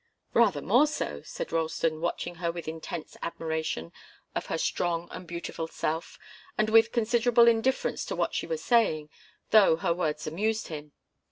"Rather more so," said Ralston, watching her with intense admiration of her strong and beautiful self, and with considerable indifference to what she was saying, though her words amused him.